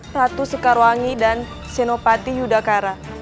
ratu sekarwangi dan senopati yudakara